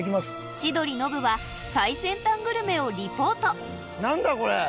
千鳥・ノブは最先端グルメをなんだこれ？